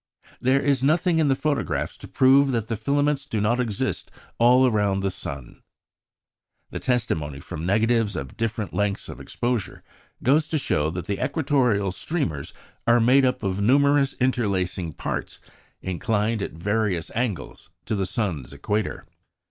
There is nothing in the photographs to prove that the filaments do not exist all round the sun. The testimony from negatives of different lengths of exposure goes to show that the equatorial streamers are made up of numerous interlacing parts inclined at varying angles to the sun's equator."